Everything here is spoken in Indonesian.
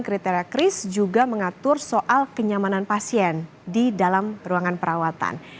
kriteria kris juga mengatur soal kenyamanan pasien di dalam ruangan perawatan